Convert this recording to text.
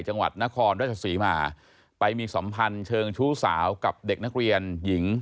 จังหวัดนครราชศรีมาไปมีสัมพันธ์เชิงชู้สาวกับเด็กนักเรียนหญิง